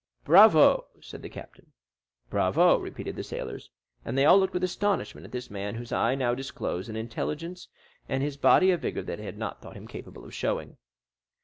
"Bravo!" said the captain. "Bravo!" repeated the sailors. And they all looked with astonishment at this man whose eye now disclosed an intelligence and his body a vigor they had not thought him capable of showing.